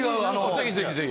ぜひぜひぜひ。